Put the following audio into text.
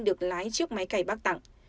được lái chiếc máy cày bác tặng